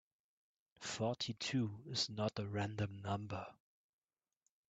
Forty-two is not a random number.